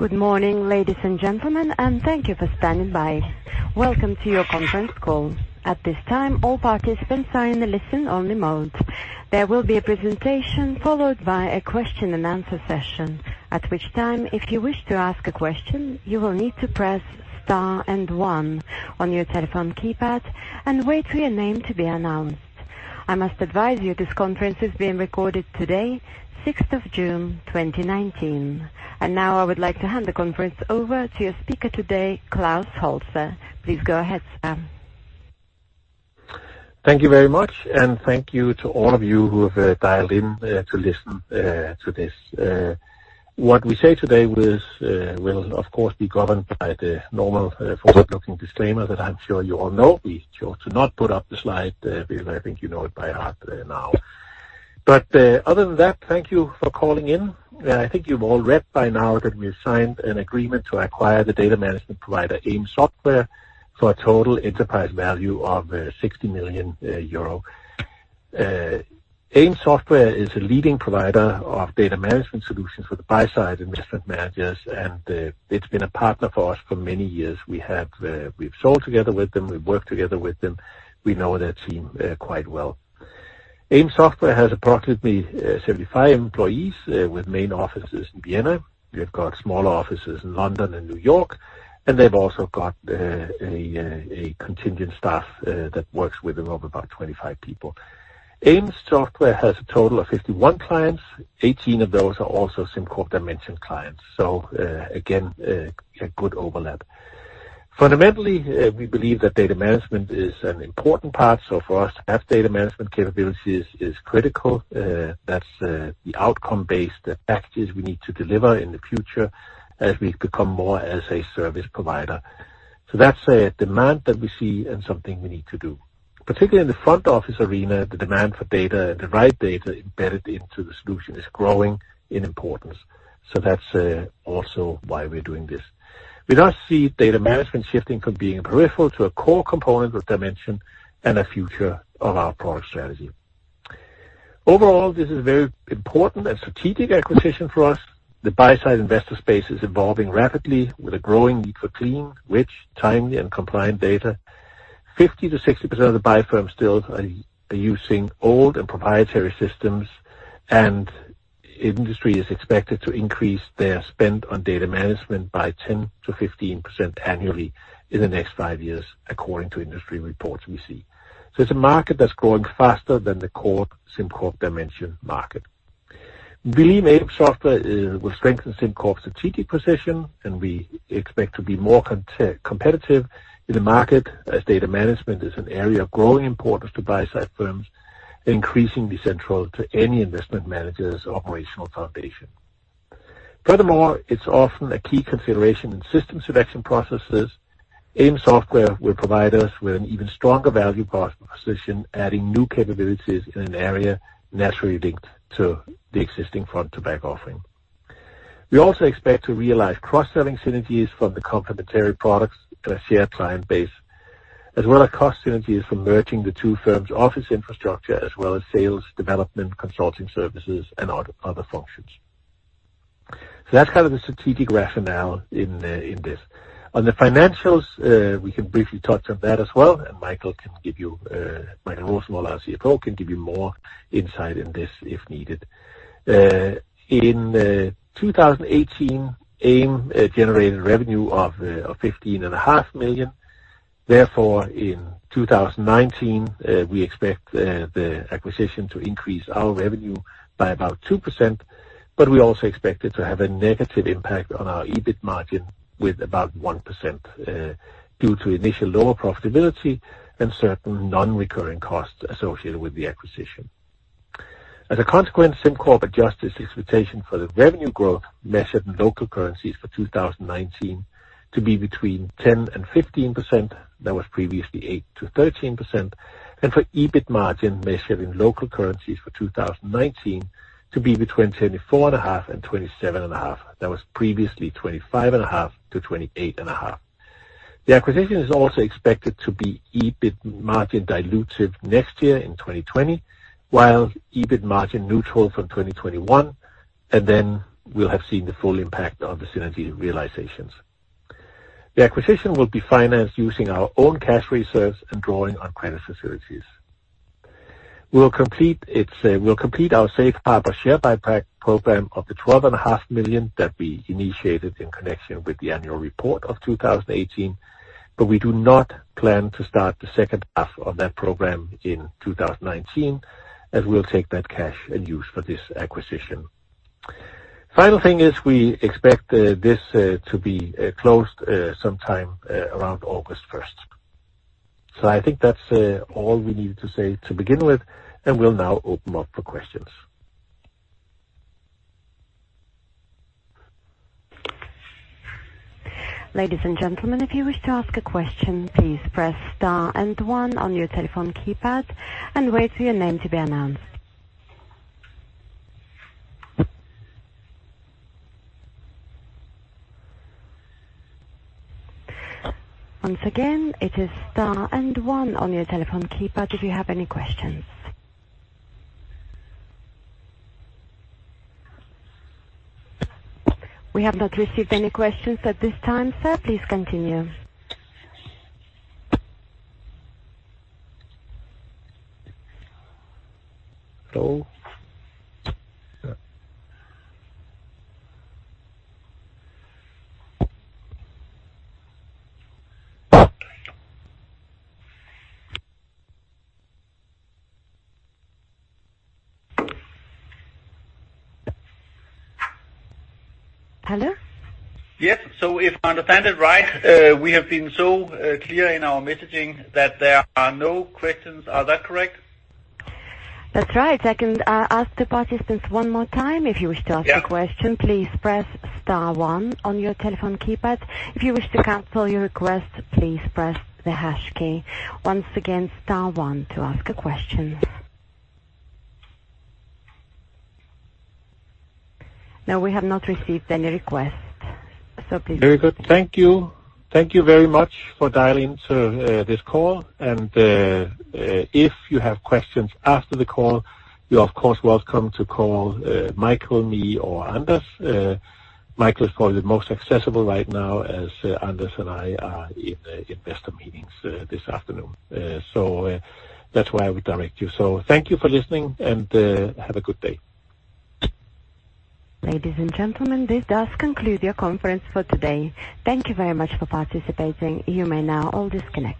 Good morning, ladies and gentlemen, thank you for standing by. Welcome to your conference call. At this time, all participants are in the listen-only mode. There will be a presentation followed by a question and answer session. At which time, if you wish to ask a question, you will need to press star and one on your telephone keypad and wait for your name to be announced. I must advise you, this conference is being recorded today, 6th of June, 2019. Now I would like to hand the conference over to your speaker today, Klaus Holse. Please go ahead, sir. Thank you very much, thank you to all of you who have dialed in to listen to this. What we say today will, of course, be governed by the normal forward-looking disclaimer that I'm sure you all know. We chose to not put up the slide because I think you know it by heart now. Other than that, thank you for calling in. I think you've all read by now that we have signed an agreement to acquire the data management provider, AIM Software, for a total enterprise value of 60 million euro. AIM Software is a leading provider of data management solutions for the buy-side investment managers, and it's been a partner for us for many years. We've sold together with them, we've worked together with them. We know their team quite well. AIM Software has approximately 75 employees with main offices in Vienna. They've got smaller offices in London and New York, they've also got a contingent staff that works with them of about 25 people. AIM Software has a total of 51 clients. 18 of those are also SimCorp Dimension clients. Again, a good overlap. Fundamentally, we believe that data management is an important part, for us to have data management capabilities is critical. That's the outcome-based packages we need to deliver in the future as we become more as a service provider. That's a demand that we see and something we need to do. Particularly in the front office arena, the demand for data and the right data embedded into the solution is growing in importance, that's also why we're doing this. We now see data management shifting from being a peripheral to a core component of Dimension and a future of our product strategy. Overall, this is very important and strategic acquisition for us. The buy-side investor space is evolving rapidly with a growing need for clean, rich, timely, and compliant data. 50%-60% of the buy-side firms still are using old and proprietary systems, Industry is expected to increase their spend on data management by 10%-15% annually in the next five years, according to industry reports we see. It's a market that's growing faster than the core SimCorp Dimension market. We believe AIM Software will strengthen SimCorp's strategic position, We expect to be more competitive in the market as data management is an area of growing importance to buy-side firms, increasingly central to any investment manager's operational foundation. Furthermore, it's often a key consideration in system selection processes. AIM Software will provide us with an even stronger value position, adding new capabilities in an area naturally linked to the existing front-to-back offering. We also expect to realize cross-selling synergies from the complementary products and a shared client base, as well as cost synergies from merging the two firms' office infrastructure, as well as sales, development, consulting services, and other functions. That's kind of the strategic rationale in this. On the financials, we can briefly touch on that as well, and Michael Rosenvold, our CFO, can give you more insight in this if needed. In 2018, AIM generated revenue of 15.5 million. In 2019, we expect the acquisition to increase our revenue by about 2%, but we also expect it to have a negative impact on our EBIT margin with about 1% due to initial lower profitability and certain non-recurring costs associated with the acquisition. SimCorp adjusts its expectation for the revenue growth measured in local currencies for 2019 to be between 10% and 15%. That was previously 8%-13%. For EBIT margin measured in local currencies for 2019 to be between 24.5% and 27.5%. That was previously 25.5%-28.5%. The acquisition is also expected to be EBIT margin dilutive next year in 2020, while EBIT margin neutral from 2021, and then we'll have seen the full impact on the synergy realizations. The acquisition will be financed using our own cash reserves and drawing on credit facilities. We'll complete our safe harbor share buyback program of the 12.5 million that we initiated in connection with the annual report of 2018, we do not plan to start the second half of that program in 2019, as we'll take that cash and use for this acquisition. Final thing is we expect this to be closed sometime around August 1st. I think that's all we needed to say to begin with, and we'll now open up for questions. Ladies and gentlemen, if you wish to ask a question, please press Star and One on your telephone keypad and wait for your name to be announced. Once again, it is star and one on your telephone keypad if you have any questions. We have not received any questions at this time, sir. Please continue. Hello? Hello? Yes. If I understand it right, we have been so clear in our messaging that there are no questions. Is that correct? That's right. I can ask the participants one more time. If you wish to ask a question, please press star one on your telephone keypad. If you wish to cancel your request, please press the hash key. Once again, star one to ask a question. No, we have not received any requests. Please continue. Very good. Thank you. Thank you very much for dialing to this call. If you have questions after the call, you're of course welcome to call Michael, me, or Anders. Michael is probably the most accessible right now, as Anders and I are in investor meetings this afternoon. That's where I would direct you. Thank you for listening, and have a good day. Ladies and gentlemen, this does conclude your conference for today. Thank you very much for participating. You may now all disconnect